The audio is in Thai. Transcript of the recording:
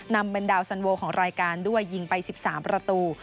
นำเป็นดาวสันโวของรายการด้วยยิงไป๑๓ประตู